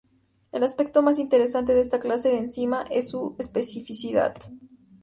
El aspecto más interesante de esta clase de enzimas es su especificidad.